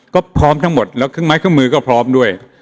ก็พร้อมทั้งหมดแล้วเครื่องไม้เครื่องมือก็พร้อมด้วย